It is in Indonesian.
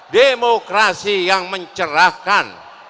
demokrasi yang mencerahkan